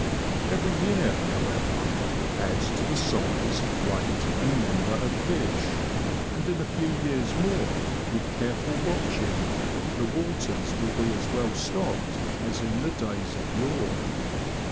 Every year, however, adds to the size, weight, and number of fish, and in a few^ years more, with careful watching, the waters will be as well stocked as in days of yore.